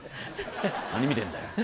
「何見てんだよ」。